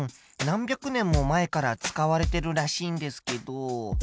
何百年も前から使われてるらしいんですけど。